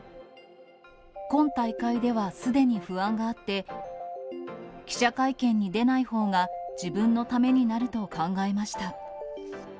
今大会ではすでに不安があって、記者会見に出ないほうが自分のためになると考えました。